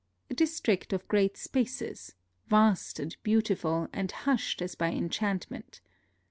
A district of great spaces, — vast and beautiful and hushed as by enchantment.